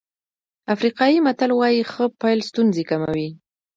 افریقایي متل وایي ښه پيل ستونزې کموي.